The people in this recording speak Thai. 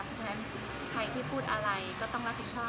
ะเนียมใครพูดอะไรก็ต้องรับผิดชอบ